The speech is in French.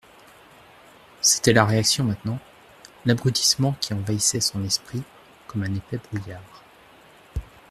C'était la réaction maintenant, l'abrutissement qui envahissait son esprit comme un épais brouillard.